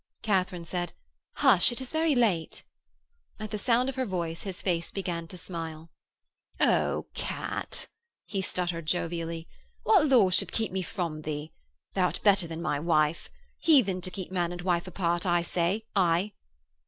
Katharine said, 'Hush! it is very late.' At the sound of her voice his face began to smile. 'Oh, Kat,' he stuttered jovially, 'what law should keep me from thee? Thou'rt better than my wife. Heathen to keep man and wife apart, I say, I.'